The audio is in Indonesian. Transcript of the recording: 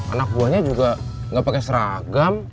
anak buahnya juga nggak pakai seragam